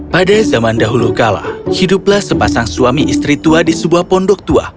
pada zaman dahulu kala hiduplah sepasang suami istri tua di sebuah pondok tua